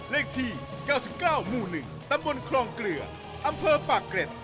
เลขที่๙๙หมู่๑ตำบลคลองเกลืออำเภอปากเกร็ด